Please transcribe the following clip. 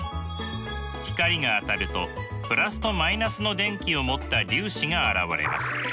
光が当たるとプラスとマイナスの電気を持った粒子が現れます。